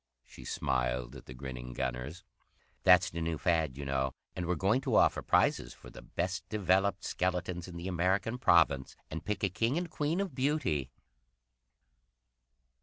She smiled at the grinning gunners. "That's the new fad, you know, and we're going to offer prizes for the best developed skeletons in the American Province, and pick a King and Queen of Beauty!"